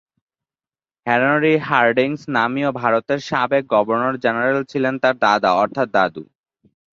Henry Hardinge নামীয় ভারতের সাবেক গভর্নর-জেনারেল ছিলেন তার দাদা অর্থাৎ দাদু।